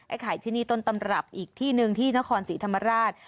ไข่ที่นี่ต้นตำรับอีกที่หนึ่งที่นครศรีธรรมราช